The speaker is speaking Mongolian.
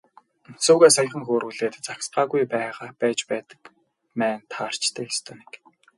Сүүгээ саяхан хөөрүүлээд загсаагаагүй байж байдаг маань таарч дээ, ёстой нэг.